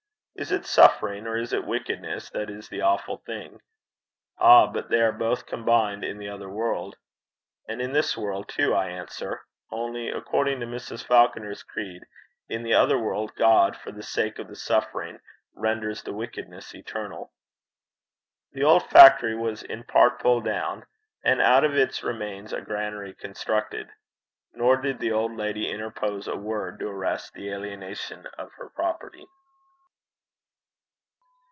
Is it suffering, or is it wickedness, that is the awful thing? 'Ah! but they are both combined in the other world.' And in this world too, I answer; only, according to Mrs. Falconer's creed, in the other world God, for the sake of the suffering, renders the wickedness eternal! The old factory was in part pulled down, and out of its remains a granary constructed. Nor did the old lady interpose a word to arrest the alienation of her property.